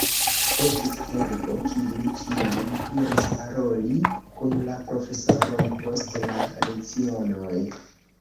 Estis Pergo, kiu ĉiam iris paroli kun la profesoroj post la lecionoj.